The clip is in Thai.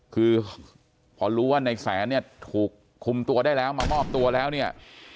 คือพอรู้ว่าในแสนเนี่ยถูกคุมตัวได้แล้วมามอบตัวแล้วเนี่ย